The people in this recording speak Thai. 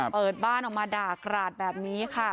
เปิดบ้านออกมาด่ากราดแบบนี้ค่ะ